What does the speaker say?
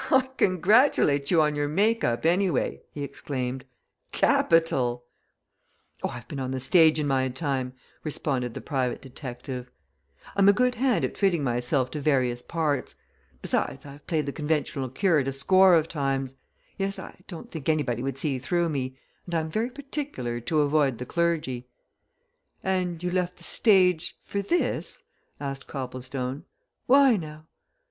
"I congratulate you on your make up, anyway!" he exclaimed. "Capital!" "Oh, I've been on the stage in my time," responded the private detective. "I'm a good hand at fitting myself to various parts; besides I've played the conventional curate a score of times. Yes, I don't think anybody would see through me, and I'm very particular to avoid the clergy." "And you left the stage for this?" asked Copplestone. "Why, now?"